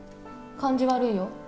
感じ悪いよ。